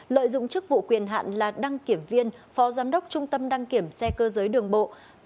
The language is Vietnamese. lợi dụng chức vụ quyền hạn là đăng kiểm viên phó giám đốc trung tâm đăng kiểm xe cơ giới đường bộ